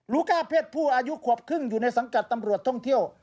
ลูก้าเพศผู้อายุขวบครึ่งอยู่ในสังกัดตำรวจท่องเที่ยว